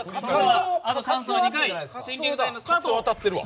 あとチャンスは２回シンキングタイムスタート。